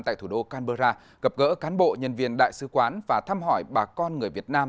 tại thủ đô canberra gặp gỡ cán bộ nhân viên đại sứ quán và thăm hỏi bà con người việt nam